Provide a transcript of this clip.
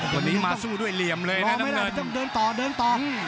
วันนี้มาสู้ด้วยเหลี่ยมเลยนะน้ำเงินไม่ได้ต้องเดินต่อ